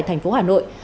tại thành phố hà nội